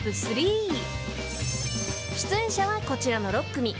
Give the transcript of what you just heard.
［出演者はこちらの６組］